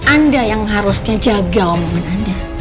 anda yang harusnya jaga omongan anda